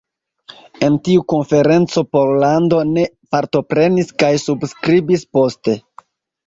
En tiu konferenco, Pollando ne partoprenis kaj subskribis poste.